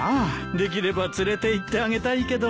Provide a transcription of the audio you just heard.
できれば連れていってあげたいけど。